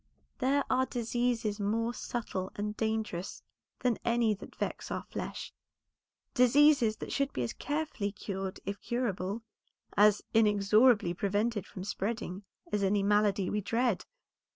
There are diseases more subtle and dangerous than any that vex our flesh; diseases that should be as carefully cured if curable, as inexorably prevented from spreading as any malady we dread.